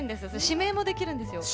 指名もできるんですよ。